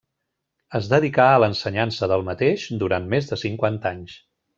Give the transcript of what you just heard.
Es dedicà a l'ensenyança del mateix durant més de cinquanta anys.